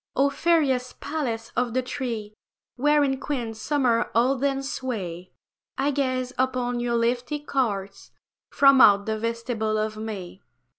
O fairest palace of the three, Wherein Queen Summer holdeth sway, I gaze upon your leafy courts From out the vestibule of May.